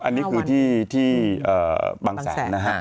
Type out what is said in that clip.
อันนี้คือที่บางแสนนะฮะ